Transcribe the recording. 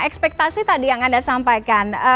ekspektasi tadi yang anda sampaikan